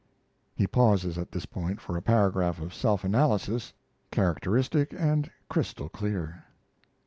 He pauses at this point for a paragraph of self analysis characteristic and crystal clear.